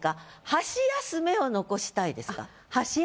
「箸休め」を残したいですか？